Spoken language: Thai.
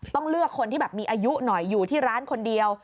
ต้องเลือกคนที่แบบมีอายุหน่อยอยู่ที่ร้านคนเดียว